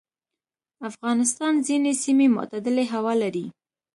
افغانستان ځینې سیمې معتدلې هوا لري.